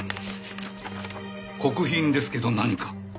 国賓ですけど何か？